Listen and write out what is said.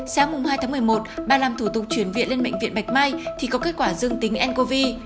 sáng hai tháng một mươi một bà làm thủ tục chuyển viện lên bệnh viện bạch mai thì có kết quả dương tính ncov